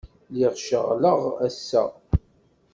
Lliɣ ceɣleɣ ass-a.